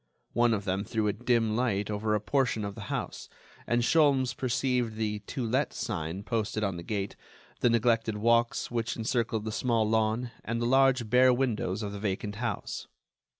One of them threw a dim light over a portion of the house, and Sholmes perceived the "To let" sign posted on the gate, the neglected walks which encircled the small lawn, and the large bare windows of the vacant house.